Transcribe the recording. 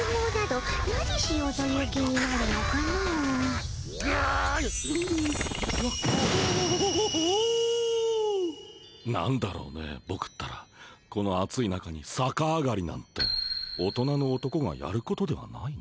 なんだろうねボクったらこの暑い中にさか上がりなんて大人の男がやることではないな。